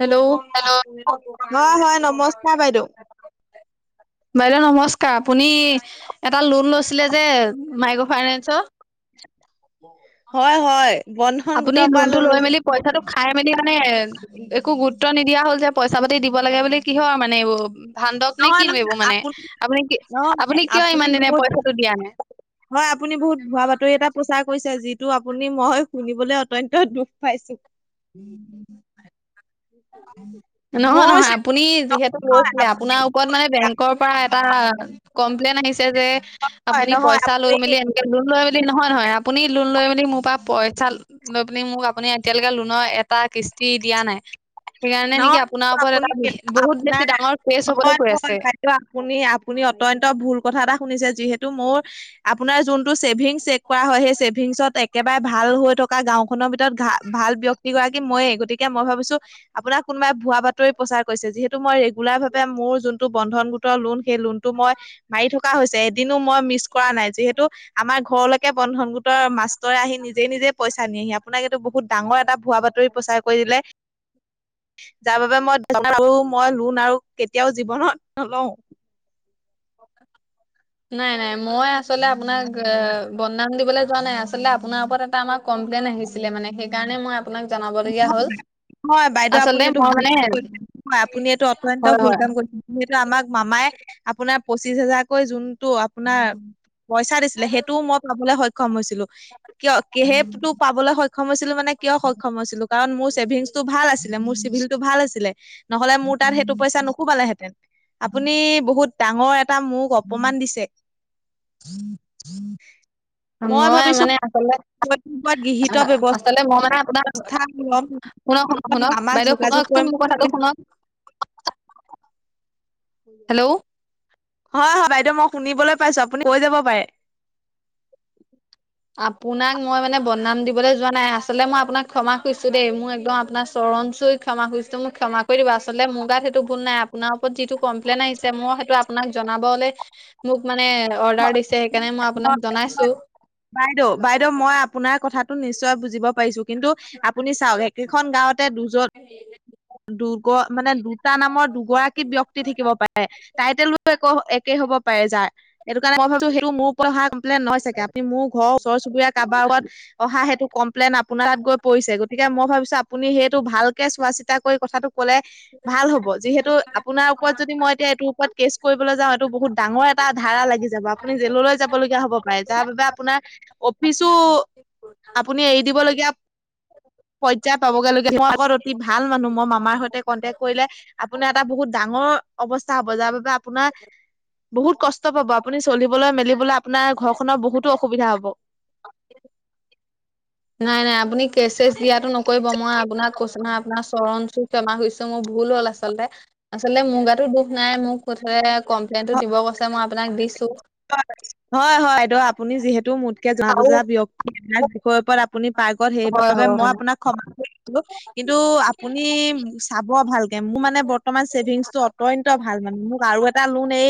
Hello, hello, হয়- হয় নমস্কাৰ বাইদেউ। বাইদেউ নমস্কাৰ আপুনি এটা লোন লৈছিলে যে মাইক্ৰ ফাইনেন্স? [inaudible] হয়- হয় বন্ধন আপুনি গোটৰ পৰা লোনটো লন লৈ লৈছো। মেলি পইচাটো খাই মেলি মানে একো গুৰুত্ব নিদিয়া হ'ল যে পইচা পাতি দিব লাগে বুলি কিহৰ আৰু মানে এইবোৰ ভান্দক নে কি নহয় ধৰিব নহয় মানে আপুনি কি আপুনি নহয় কিয় ইমান দিনে বহুত পইচাটো দিয়া নাই? হয় আপুনি বহুত ভুৱা বাতৰি এটা প্ৰচাৰ কৰিছে যিটো আপুনি মই শুনিবলৈ অত্যন্ত দুখ পাইছো। [inaudible] নহয়- মোৰ নহয় আপুনি যিহেতু লৈছিলে আপোনাৰ কত মানে বেংকৰ পৰা এটা কমপ্লেইন আহিছে যে হয় আপুনি নহয় পইচা লৈ আপুনি মেলি লোন লৈ মেলি নহয়- নহয় আপুনি লোন লৈ মেলি মোৰ পৰা পইচা লৈ পেনি মোক আপুনি এতিয়ালৈকে লোন ন'এটা কৃস্তি দিয়া নাই। সেইকাৰণে নেকি নহয় আপোনাৰ ওপৰত আপুনি এটা বহুত বেছি ডাঙৰ কেছ হবলৈ গৈ আছে। ত'আপুনি -আপুনি অত্যন্ত ভুল কথা এটা শুনিছে যিহেতু মোৰ আপোনাৰ যোনটো চেছেভিংছ চেক কৰা হয় সেই চছেভিংছত একেবাৰে ভাল হৈ থকা গাওঁ খনৰ ভিতৰত ঘা ভাল ব্যক্তিগৰাকী মইয়ে গতিকে মই ভাবিছোঁ আপোনাক কোনোবাই ভুৱা বাতৰি প্ৰচাৰ কৰিছে যিহেতু মই ৰেগুলাৰ ভাৱে মোৰ যোনটো বন্ধন গোটৰ লোন সেই লোনটো মই মাৰি থকা হৈছে এদিনো মই মিছ কৰা নাই যিহেতু আমাৰ ঘৰলৈকে বন্ধন গোটৰ মাষ্টৰে আহি নিজেই - নিজে পইচা নিয়েহি আপোনাক এইটো বহুত ডাঙৰ এটা ভুৱা বাতৰি প্ৰচাৰ কৰি দিলে যাৰ বাবে মই আৰু মই লোন আৰু কেতিয়াওঁ জীৱনত নলওঁ। নাই- নাই মই আচলতে আপোনাক বদনাম দিবলৈ যোৱা নাই আচলতে আপোনাৰ ওপৰত এটা আমাক কমপ্লেইন আহিছিলে মানে সেইকাৰণে মই জনাব লগীয়া হ'ল। হয় বাইদেউ আপুনি আচলতে এইটো মই ভুল মানে কাম কৰিছে হয় আপুনি এইটো অত্যন্ত হয় ভুল হয় কাম কৰিছে যিহেতু আমাক মামাই আপোনাৰ পঁচিছ হোজাৰকৈ যোনটো আপোনাৰ পইচা দিছিলে সেইটোও মই পাবলৈ সক্ষ ক্ষম হৈছিলোঁ কিয় কিহেতু পাবলৈ সক্ষম হৈছিল মানে কিয় সক্ষম হৈছিলোঁ কাৰণ মোৰ ছেভিংছ টো ভাল আছিলে মোৰ চিভিলটো ভাল আছিল নহলে মোৰ তাত সেইটো পইচা নুখোমালেহেঁতেন। আপুনি বহুত ডাঙৰ এটা মোক অপমান দিছে। মই ভাবিছোঁ মানে আচলতে [unintelligible] কিবা আ- গৃহীত ব্যৱচ মানে আপোনাৰ শুনক- শুনক -শুনক আমাক বাইদেউ যোগাযোগ শুনকচোন কৰিম মোৰ বুলি কথাটো ভাবিছো। শুনক। হেল্ল' হয় -হয় বাইদেউ মই শুনিবলৈ পাইছো আপুনি কৈ যাব পাৰে। আপোনাক মই মানে বদনাম দিবলৈ যোৱা নাই আচলতে মই আপোনাক ক্ষমা খুইছোঁ দেই মোৰ একদম আপোনাৰ চৰণ চুই ক্ষমা খুজিছো মই ক্ষমা কৰি দিব আচলতে মোৰ গাত সেইটো ভুল নাই আপোনাৰ ওপৰত যিটো কম্লেইন আহিছে মই সেইটো আপোনাক জনাবলে মোক মানে অৰ্ডাৰ দিছে সেইকাৰণে মই হয় আপোনাক জনাইছোঁ। বাইদেউ -বাইদেউ মই আপোনাৰ কথাটো নিশ্চয় বুজিব পাৰিছো কিন্তু আপুনি চাওঁক একেখন গাঁওতে দুজন আহিলে দুগ মানে দুটা নামৰ দুগৰাকী ব্যক্তি থাকিব পাৰে টাইটেল বোৰ একো একেই হব পাৰে যাৰ এইটো কাৰে মই ভাবছো সেইটো মোৰ ও অহা কমপ্লেইন নহয় চাগে আপুনি মোৰ ঘৰ ওচৰ চবুৰীয়া কাৰোবা ওপৰত অহা সেইটো কম প্লেন আপোনাৰ তাত গৈ পৰিছে গতিকে মই ভাবছোঁ আপুনি সেইটো ভালকৈ চোৱা চিতা কৰি কথাটো কলে ভাল হ'ব যিহেতু আপোনাৰ ওপৰত যদি মই এতিয়া এইটোৰ ওপৰত কেছ কৰিবলৈ যাওঁ এইটো বহুত ডাঙৰ এটা ধাৰা লাগি যাব আপুনি জেললৈ যাব লগগীয়া হ'ব পাৰে যাৰ বাবে আপোনাৰ অফিচো আপুনি এৰি দিব লগগীয়া পৰ্যায় পাবগে মই‌ আক অতি ভাল মানুহ মই মামাৰ সৈতে কণ্টেক্ট কৰিলে আপোনাৰ এটা বহুত ডাঙৰ অৱস্থা হব যাৰ বাবে আপোনাৰ বহুত কষ্ট পাব আপুনি চলিবলৈ মেলিবলৈ আপোনাৰ ঘৰখনৰ বহুতো অসুবিধা হব। নাই নাই আপুনি কেচছ দিয়াটো নকৰিব মই আপোনাক কৈছো ন আপোনাৰ চৰণ চুই ক্ষমা খুজিছোঁ মোৰ ভুল হ'ল আচলতে আচলতে মুগাতো দুখ নাই মোক কুঠোৱে কমপ্লেইনটো দিব কৈছে মই আপোনাক দিছোঁ। হয় হয় বাইদেউ আপুনি যিহেতু মোতকে যোৱা আৰু বুজা ব্যক্তি [unintelligible] হৈ পয় আপুনি পাই গ'ল হয়, সেইবাবে হয়, মই হয়, আপোনাক ক্ষমা কৰিছো কিন্তু আপুনি চাব ভাল কে মো মানে বৰ্তমান চছেভিংছটো অত্যন্ত ভাল মানে মোক আৰু এটা লোন এই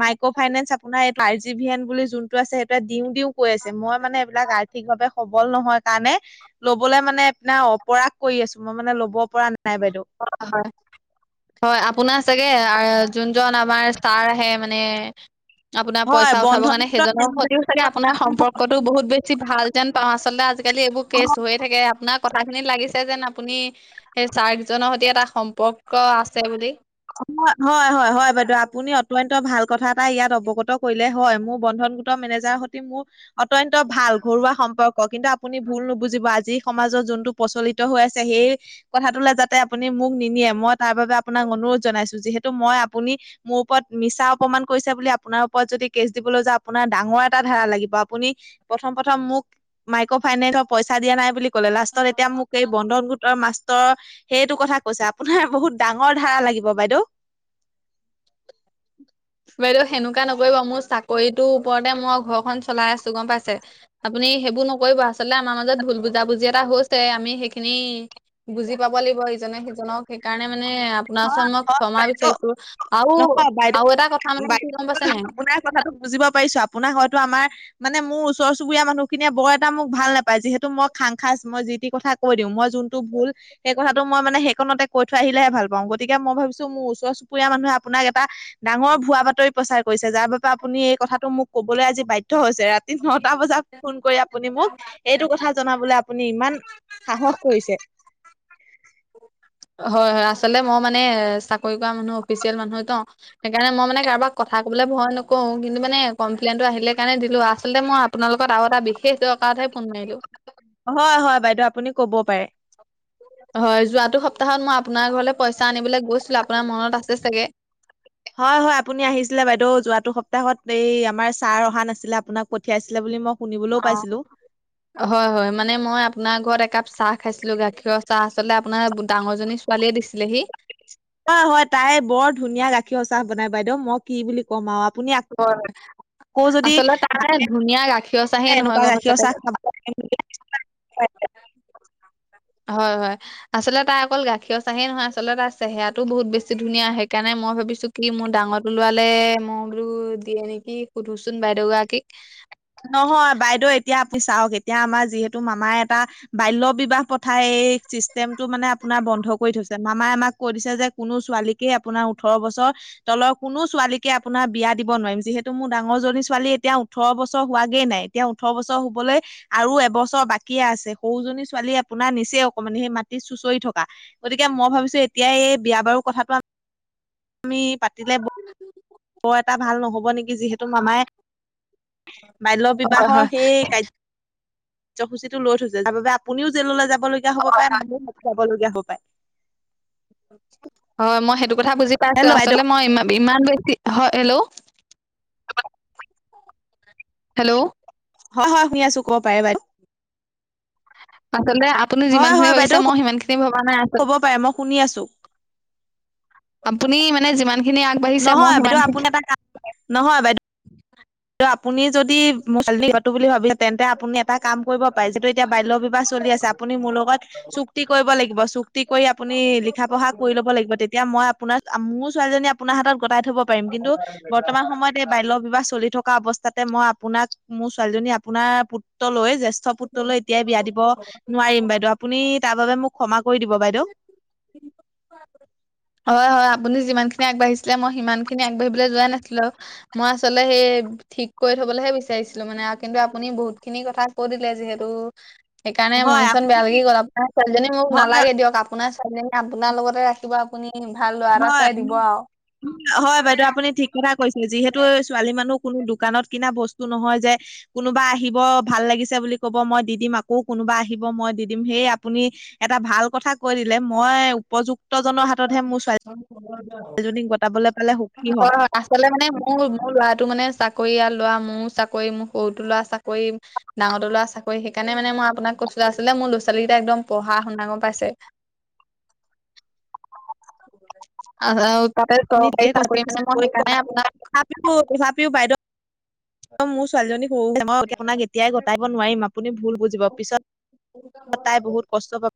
মাইক্ৰ' ফাইনেন্স আপোনাৰ এই আৰ জি ভিয়ন বুলি যোনটো আছে সেইটোৱে দিও দিও কৈ আছে মই মানে এইবিলাক আ ৰ্থিক ভাৱে সবল নহয় কাৰণে ল'বলৈ মানে এপিনাও অপৰাস কৰি আছো মই মানে ল'ব পৰা নাই বাইদেউ অ হয় হয় আপোনাৰ চাগে যোনজন আমাৰ ছাৰ আহে মানে। আপোনাৰ হয় পইচা উঠাব কাৰণে সেইজনৰ বন্ধন সতিও চাগে আপোনাৰ সম্প কতো বহুত বেছি ভাল যেন পাওঁ আচলতে আজিকালি এইবোৰ কেছ হয়। থাকে আপোনাৰ কথা খিনিত লাগিছে যেন আপুনি সেই চাৰ কিজনৰ সৈতে এটা সম্পৰ্ক আছে বুলি। হয় হয় হয় বাইদেউ আপুনি অত্যয়ন্ত ভাল কথা এটা ইয়াত অৱগত কৰিলে হয় মোৰ বন্ধন- গোট মেনেজাৰ সৈতে মোৰ- অত্যয়ন্ত ভাল ঘৰুৱা সম্পৰ্ক কিন্তু আপুনি ভুল নুবুজিব আজি সমাজৰ যোনটো। প্ৰচলিত হৈ আছে সেই কথাটোলে যাতে আপুনি মোক নিনিয়ে মই তাৰ বাবে আপোনাক অনুৰোধ জনাইছোঁ যিহেতু মই আপুনি। মোৰ ওপৰত মিছা অপমান কৰিছে বুলি আপোনাৰ ওপৰত যদি কেচ দিবলৈ যাওঁ আপোনাৰ ডাঙৰ এটা ধাৰা লাগিব আপুনি প্ৰথম প্ৰথম মোক মাইক্ৰ ফাইনেন্স পইচা দিয়া নাই। বুলি ক'লে লাষ্টত এতিয়া মোক এই বন্ধন গোটৰ মা ষ্টৰ সেইটো কথা কৈছে আপোনাৰ বহুত ডাঙৰ ধাৰা লাগিব বাইদেউ। বাইদেউ সেনেকুৱা নকৰিব মোৰ চাকৰিটোৰ ওপৰতে মই ঘৰখন চলাই আছোঁ গম পাইছে। আপুনি সেইবোৰ নকৰিব আচলতে আমাৰ মাজত ভুল বুজা বুজি এটা হৈছে আমি সেইখিনি। বুজি পাব লাগিব ইজনে সিজনক। সেইকাৰণে মানে আপোনাৰ হয় ওচৰত মই হয় ক্ষয়মা বাইদেউ বিচাৰিছোঁ আও নহয় বাইদেউ আও এটা ক বাইদেউ বোলে আপোনাক কথাটো বুজিব পাৰিছোঁ আপোনাৰ হয়তো আমাৰ মানে মোৰ ওচৰ চুবুৰীয়া মানুহ খিনিয়ে বৰ এটা মোক ভাল না পায় যিহেতু মই খাং খাচ মই যি টি কথা কৈ দিওঁ মই যোনটো ভুল সেই কথাটো মই মানে সেইকনতে কৈ- থৈ আহিলেহে ভাল পাও গতিকে মই ভাবিছোঁ যে মোৰ ওচৰ চুবুৰীয়া মানুহে আপোনাক এটা- ডাঙৰ ভুৱা বাতৰি প্ৰচাৰ কৰিছে যাৰ বাবে আপুনি এই কথাটো মোক- ক'বলৈ আজি বাধ্য হৈছে ৰাতি নটা বজাত ফোন কৰি আপুনি মোক এইটো কথা জনাবলে। আপুনি ইমান সাহস কৰিছে? হয় হয় আচলতে মই মানে চাকৰি কৰা মানুহ অফিচিয়েল মানুহ ত সেইকাৰণে মই মানে কাৰোবাক কথা কবলৈ ভয় নকৰোঁ, কিন্তু মানে কমপ্লেইনটো আহিলে কাৰণে দিলোঁ, আচলতে মই আপোনালোকত আৰু এটা বিশেষ দৰকাৰতহে ফোন মাৰিলোঁ। হয় হয় বাইদেউ, আপুনি ক'ব পাৰে। হয়, যোৱাটো সপ্তাহত মই আপোনাৰ ঘৰলৈ পইচা আনিবলৈ গৈছিলোঁ, আপোনাৰ মনত আছে চাগে? [inaudible] হয় হয়, আপুনি আহিছিলে বাইদেউ, যোৱাটো সপ্তাহত এই আমাৰ ছাৰ অহা নাছিলে আপোনাক পঠিয়াইছিলে বুলি মোক শুনিবলৈও পাইছিলোঁ। হয় হয় মানে মই আপোনাৰ ঘৰত একাপ চাহ খাইছিলোঁ, গাখীৰৰ চাহ, আচলতে আপোনাৰ ডাঙৰজনী ছোৱালীয়ে দিছিলেহি। হয় হয়, তাই বৰ ধুনীয়া গাখীৰ চাহ বনাই বাইদেউ, মই কি বুলি ক'ম আৰু আপুনি আকৌ যদি আচলতে তাই ভালকে ধুনীয়া গাখীৰ চাহেই [unintelligible] নহয় এনেকুৱা গম পাইছে গাখীৰ তাই চাহ খাম [unintelligible] অ [unintelligible] হয় হয়। আচলতে তাৰ অকল গাখীৰ চাহেই নহয়, আলতে তাৰ চেহেৰাতটো বহুত বেছি ধুনীয়া, সেইকাৰণে মই ভাবিছোঁ কি মোৰ ডাঙৰ টো লৰালে মই বোলোঁ দিয়ে নেকি, সুধোচোন বাইদেউ গৰাকীক। নহয় বাইদেউ এতিয়া আপুনি চাওঁক, এতিয়া আমাৰ যিহেতু মামাই এটা বাল্য বিবাহ পথাই এই চিষ্টেম টো মানে আপোনাৰ বন্ধ কৰি থৈছে, মামাই আমাক কৈ দিছে যে কোনো ছোৱালীকেই আপোনাৰ ওঠৰ বছৰ তলৰ কোনো ছোৱালীকে আপোনাৰ বিয়া দিব নোৱাৰিম, যিহেতু মোৰ ডাঙৰজনী ছোৱালী এতিয়া ওঠৰ বছৰ বছৰ হোৱাগে নাই, এতিয়া ওঠৰ বছৰ হ'বলৈ আৰু এবছৰ বাকীয়ে আছে, সৰুজনী ছোৱালী আপোনাৰ নিচেই অকমানি, সেই মাটিত চুঁচৰি থকা গতিকে মই ভাবিছো এতিয়া এই বিয়া বাৰু কথাটো [unintelligible] আমি পাতিলে [inaudible] বৰ এটা ভাল নহব নেকি, যিহেতু মামাই [unintelligible] বাল্য হয় হয় বিবাহৰ সেই কাৰ কাৰ্যসূচীটো লৈ থৈছে, যাৰ বাবে আপুনিও জেললৈ যাবলীয়া হব পাৰে, মানুও যাবলীয়া হব পাৰে। হয়, মই সেইটো কথা বুজি পাইছো, হেল্ল' বাইদেউ আচলতে মই ই ইমান বেছি, হয়, হেল্ল' হেল্ল'। হয়-হয়, শুনিছো কব পাৰে বাইদউ? আচলতে আপুনি যিমান হয় খিনি হয় ভাবিছে, বাইদেউ মই সিমান খিনি ভবা নাই আচল ক'ব পাৰে মই শুনি আছো। আপুনি মানে যিমান খিনি আগ নহয় বাইদেউ, আপুনি এটা [unintelligible] কাম কৰে নহয় বাইদেউ আপুনি যদি মটো [unintelligible] বুলি ভাবিছে, তেন্তে আপুনি এটা কাম কৰিব পাৰে, যিহেতু এতিয়া বাল্য বিবাহ চলি আছে, আপুনি মোৰ লগত চুক্তি কৰিব লাগিব, চুক্তি কৰি আপুনি লিখা পঢ়া কৰি ল'ব লাগিব, তেতিয়া মই আপোনাৰ, মোৰ ছোৱালীজনী আপোনাৰ হাতত গটাই থব পাৰিম, কিন্তু বৰ্তমান সময়ত এই বাল্য বিবাহ চলি থকা থকা অৱস্থাতে মই আপোনাক, মোৰ ছোৱালীজনী আপোনাৰ পুত্ৰ ললৈ, জ্যেষ্ঠ পুত্ৰলৈ এতিয়া বিয়া দিব নোৱাৰিম বাইদেউ, আপুনি তাৰ বাবে মোক ক্ষমা কৰি দিব বাইদেউ। হয়-হয়, আপুনি যিমান খিনি আগবাঢ়িছিলে মই সিমান খিনি আগবাঢ়িবলৈ যোৱাই নাছিলো মই আচলতে সেই ঠিক কৰি থবলৈহে বিচাৰিছিলো মানে আৰু কিন্তু আপুনি বহুত খিনি কথা কৈ দিলে যিহেতু সেইকাৰণে হয় মন চন বেয়া লাগি গ'ল, আপোনাৰ ছোৱালীজনী মোক হয় নালাগে দিয়ক, আপোনাৰ ছোৱালীজনী আপোনাৰ লগতে ৰাখ [unintelligible] আপুনি, ভাল লৰা এটা চাই দিব হয় আৰু। [unintelligible] টা কৈছে, যিহেতু ছোৱালী মানুহ কোনো দোকানত কিনা বস্তু নহয় যে কোনোবা আহিব, ভাল লাগিছে বুলি কব মই দি দিম, আকৌ কোনোবা আহিব মই দি দিম, সেই আপুনি এটা ভাল কথা কৈ দিলে, মই উপযুক্তজনৰ হাততহে মোৰ ছোৱালী অ [unintelligible] এজনীক গটাবলৈ পালে সুখী হ'ম। আচলতে মানে মোৰ, মোৰ ল'ৰাটো মানে চাকৰিয়াল [unintelligible] আৰু লৰা মোৰ চাকৰি, মোৰ সৰুটো ল'ৰা চাকৰি ডাঙৰতো ল'ৰা চাকৰি, সেইকাৰণে মানে মই আপোনাক কৈছিলো মোৰ লৰা ছোৱালীকেইটা একদমঢ় গহাশুনা, গম পাইছে। তাতে আপুনি চৰকাৰী ঠিকেই চাকৰি মানে, মই কৈছে সেইকাৰণে আপোনাক তথাপিও তথাপিও বাইদেউ অ, মোৰ ছোৱালীজনী সৰু হৈছে মই আপোনাক এতিয়াই গটাব নোৱাৰিম, আপুনি ভুল বুজিব পিছত তাই বহুত কষ্ট পাব [unintelligible]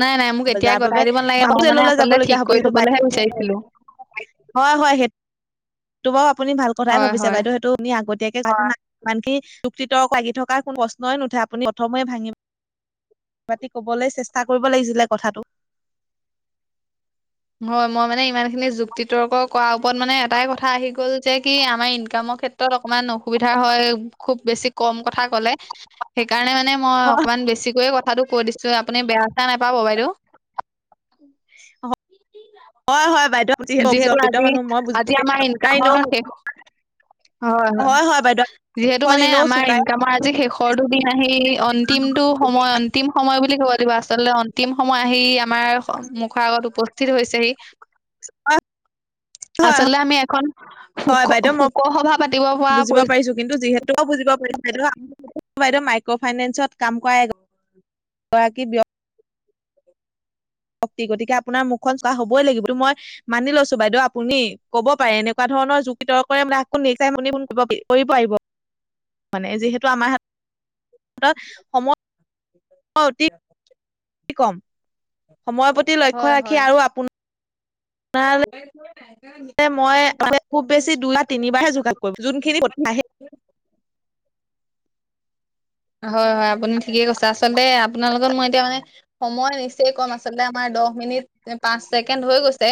নাই, নাই মোক এতিয়াই যাৰ গতাই বাবে দিব নালাগে, মই মানে জেললৈ আচলতে ঠিক যাবলগীয়া হব কৰি সেইটো থবলৈহে বিচাৰিছিলো। হয়, হয় সেই তো বাৰ আপুনি ভাল কথাই হয় ভাবিছে হয় বাইদেউ সেইটো আপুনি আগতীয়াকে মানে যুক্তি তৰ্ক লাগি থকাৰ কোনো প্ৰশ্নই নুঠে আপুনি প্ৰথমে ভাঙিব ক মাতি কবলৈ চেষ্টা কৰিব লাগিছিলে কথাটো। হয়, মই মানে ইমান খিনি যুক্তি তৰ্ক কৰাৰ ওপৰত মানে এটাই কথা আহি গ'ল যে কি আমাৰ ইনকামৰ ক্ষেত্ৰত ত অকণমান অসুবিধা হয় খুব বেছি কম কথা ক'লে সেইকাৰণে মানে মই হয় অকমান বেছিকৈয়ে কথাটো কৈ দিছো। চ' আপুনি বেয়া চেয়া নাপাব বাইদেউ। হয়, হয় বাইদেউ। আপুনি অফিচৰ যিহেতু অকৃত আজি, মানুহ মই বুজি আজি আমাৰ পাইছো। আপোনাৰ এনেও ইনকামৰ মুখ- শেষৰ হয়, হয় বাইদেউ যিহেতু মুখখন মানে এনেও আমাৰ চুকাই ইনকামৰ আজি শেষৰটো দিন আহি অ অন্তিমটো সময় অন্তিম সময় বুলি ক'ব লাগিব আচলতে অন্তিম সময় আহি আমাৰ মুখৰ আগত উপস্থিত হৈছেহি। [unintelligible] আচলতে আমি এখন শুক হয় বাইদেউ মই শোকৰ সভা পাতিব পৰা বুজিব পৰি পাৰিছো কিন্তু যিহেতুও বুজিব পাৰি বাইদেউ, বাইদেউ মাইক্ৰ ফাইনেন্সত কাম কৰা এ গৰাকী ব্যয় ক্তি গতিকে আপোনাৰ মুখখন চোৱা হবই লাগিব মই মানি লৈছো বাইদেউ আপুনি ক'ব পাৰে এনেকোৱা ধৰণৰ যুক্তি তৰ্কৰে মানে আকো নিচাই মুনি ফোন কৰিব পাৰি। কৰিব আহিব মানে যিহেতু আমাৰ হাতত সময় [unintelligible] [unintelligible] কি কম? সময়ৰ প্ৰতি লক্ষ্য হয় হয় ৰাখি আৰু আপোনাৰ মই খুব বেছি তোমাক তিনিবাৰে যোগাৰ কৰিব যোনখিনি প্ৰথমে আহে। হয়, হয় আপুনি ঠিকেই কৈছে আচলতে আপোনাৰ লগত মই এতিয়া মানে। সময় নিশ্চয় কম আচলতে আমাৰ দহ মিনিট, পাঁচ ছেকেণ্ড হৈ গৈছে।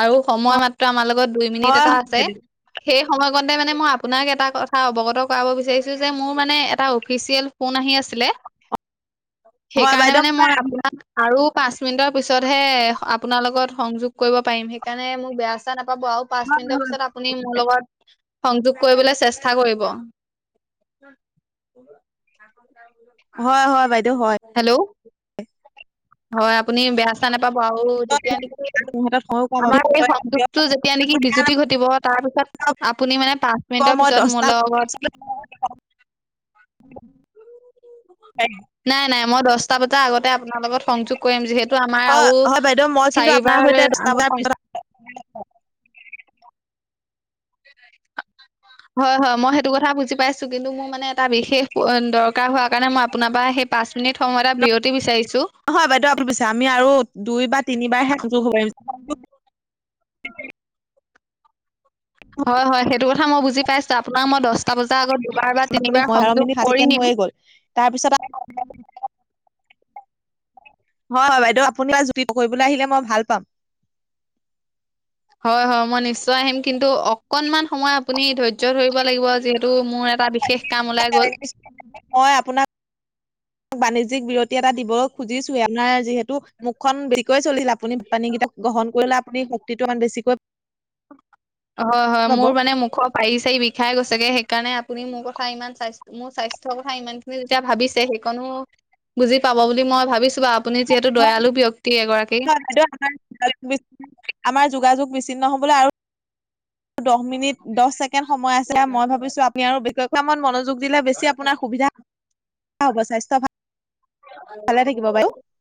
আৰু সময় মাত্ৰ আমাৰ লগত দুই মিনিট হয় এটা আছে। সেই সময়কতে মানে মই আপোনাক এটা কথা অৱগত কৰাব বিচাৰিছো যে মোৰ মানে এটা ফিচিএল ফোন আহি আছিলে হয় সেইকাৰণে বাইদেউ মানে মই আপোনাক আৰু পাঁচ মিনিটৰ পিছতহে আপোনাৰ লগত সংযোগ কৰিব পাৰিম সেইকাৰণে মোক বেয়া- চেয়া নাপাব আৰু। পাঁচ মিনিটৰ পিছত আপুনি মোৰ লগত সংযোগ কৰিবলৈ চেষ্টা কৰিব। [unintelligible] হয়, হয় বাইদেউ হয়। হেল্ল'। হয়, আপুনি বেয়া- চেয়া নাপাব আৰু তেতিয়া নেকি। মোৰ হাতত সময়ো কম আমাৰ এই সংযোগটো যেতিয়া নেকি বিজুতি ঘটিব তাৰ পিছত আপুনি মানে পাঁচ মিনিটৰ মই পিছত মোৰ দহটা লগ লগত। [unintelligible] নাই, নাই মই দহটা বজাৰ আগতে আপোনাৰ লগত সংযোগ কৰিম যিহেতু আমাৰ হয় আৰু হয় বাইদেউ মই কিন্তু আপোনাৰ চাৰিবাৰ সৈতে দহটা আমি বজাৰ পিছত [unintelligible] হয়, হয় মই সেইটো কথা বুজি পাইছো, কিন্তু মোৰ মানে এটা বিশেষ দৰকাৰ হোৱাৰ কাৰণে মই আপোনাৰ পৰা সেই পাঁচ মিনিট সময় এটা বিৰতি বিচাৰিছোঁ। হয়, বাইদেউ আপুনি পিছে আমি আৰু দুই বা তিনিবাৰহে সংযোগ হব পাৰিম। হয়, হয় সেইটো কথা মই বুজি পাইছো আপোনাক মই দহটা বজাৰ আগত দুবাৰ বা তিনিবাৰ সংযোগ কৰি নিম। তাৰপিছত আৰু। হয়, হয়, বাইদেউ আপুনি [unintelligible] কৰিবলৈ আহিলে মই ভাল পাম। হয়, হয়, মই নিশ্চয় আহিম কিন্তু অকনমান সময় আপুনি ধৈৰ্য ধৰিব লাগিব আজি টো মোৰ এটা বিশেষ কাম ওলাই গ'ল। মই আপোনাক বাণিজ্যিক বিৰতি এটা দিব খুজিছোৱয়ে আমাৰ যিহেতু মুখখন জোৰকৈ চলিলা [unintelligible] আপুনি পানীকেইটা গ্ৰহণ কৰিলে আপুনি শক্তিটো ইমান বেছিকৈ হয়, হয়, পাব মোৰ মানে মুখৰ পাৰি চাৰি বিষাই গৈছেগে সেইকাৰণে আপুনি মোৰ কথা ইমান্থ মোৰ স্বাস্থ্যৰ কথা ইমান খিনি যেতিয়া ভাবিছে সেইকনো বুজি পাব বুলি মই ভাবিছোঁ আৰু। আপুনি যিহেতু দয়ালু ব্যয়ক্তি এগৰাকী। [unintelligible] আমাৰ যোগাযোগ বিচ্ছিন্ন হবলৈ আৰু দহ মিনিট দহ ছেকেণ্ডৰ সময় আছে মই ভাবিছোঁ আপুনি আৰু [unintelligible] মনোযোগ দিলে বেছি আপোনাৰ সুবিধা স্বাস্থ্য ভাল [unintelligible]